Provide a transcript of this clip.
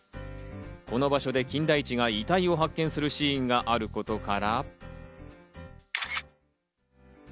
この場所で金田一が遺体を発見するシーンがあることから。